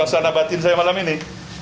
suasana batin saya malam ini